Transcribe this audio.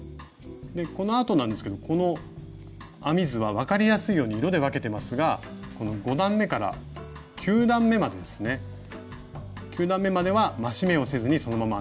このあとなんですけどこの編み図は分かりやすいように色で分けてますが５段めから９段めまでは増し目をせずにそのまま編みます。